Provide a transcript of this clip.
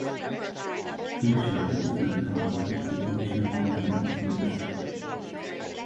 Firceall was then part of the ancient Kingdom of Meath.